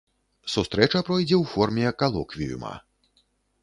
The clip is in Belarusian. Сустрэча пройдзе ў форме калоквіюма.